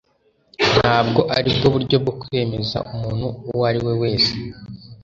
Ntabwo aribwo buryo bwo kwemeza umuntu uwo ari we wese